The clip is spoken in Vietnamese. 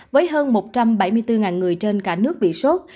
với hơn một trăm bảy mươi bốn người trên cả nước bị sốt